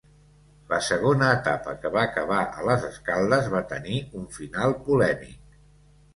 La segona etapa que va acabar a Les Escaldes va tenir un final polèmic.